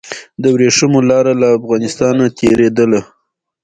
د وریښمو لاره له افغانستان تیریده